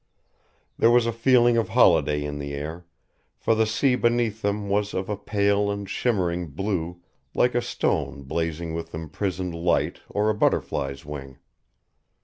There was a feeling of holiday in the air, for the sea beneath them was of a pale and shimmering blue like a stone blazing with imprisoned light or a butterfly's wing.